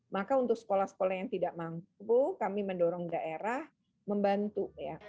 maka untuk sekolah sekolah yang tidak mampu kami mendorong daerah membantu ya